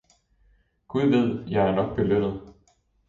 Gud ved, jeg er nok belønnet!